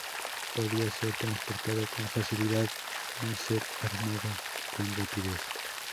Podía ser transportado con facilidad y ser armado con rapidez.